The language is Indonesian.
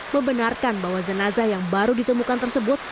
membenarkan bahwa jenazah yang baru ditemukan tersebut